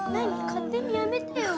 勝手にやめてよ！